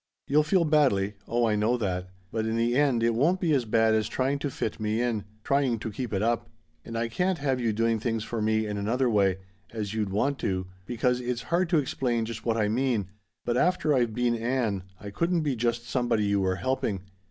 You'll feel badly oh, I know that but in the end it won't be as bad as trying to fit me in, trying to keep it up. And I can't have you doing things for me in another way as you'd want to because it's hard to explain just what I mean, but after I've been Ann I couldn't be just somebody you were helping.